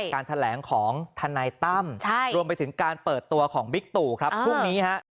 การแถลงของทนายตั้มรวมไปถึงการเปิดตัวของบิ๊กตู่ครับพรุ่งนี้ฮะ